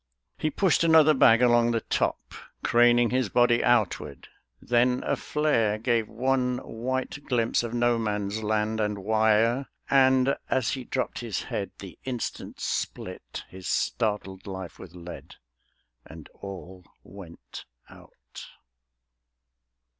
He pushed another bag along the top, Craning his body outward; then a flare Gave one white glimpse of No Man's Land and wire; And as he dropped his head the instant split His startled life with lead, and all went out.